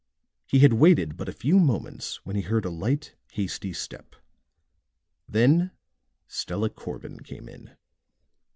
He had waited but a few moments when he heard a light, hasty step. Then Stella Corbin came in.